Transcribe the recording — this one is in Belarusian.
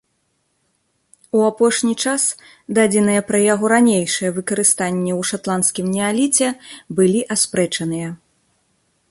У апошні час дадзеныя пра яго ранейшае выкарыстанне ў шатландскім неаліце былі аспрэчаныя.